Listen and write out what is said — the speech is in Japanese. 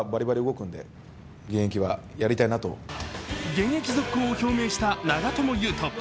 現役続行を表明した長友佑都。